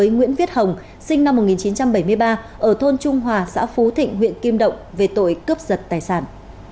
nguyễn viết hồng sinh năm một nghìn chín trăm bảy mươi ba ở thôn trung hòa xã phú thịnh huyện kim động về tội cướp giật tài sản